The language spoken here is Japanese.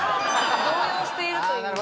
動揺しているという。